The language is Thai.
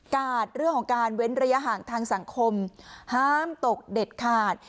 เรื่องของการเว้นระยะห่างทางสังคมห้ามตกเด็ดขาด